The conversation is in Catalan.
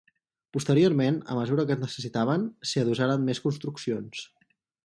Posteriorment, a mesura que es necessitaven, s'hi adossaren més construccions.